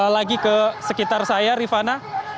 lagi ke sekitar saya rifana